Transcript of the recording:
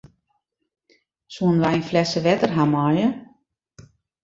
Soenen wy in flesse wetter hawwe meie?